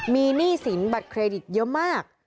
มีหนี้สินบัตรเครดิตเยอะมาก